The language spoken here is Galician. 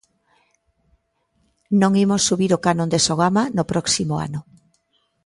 Non imos subir o canon de Sogama no próximo ano.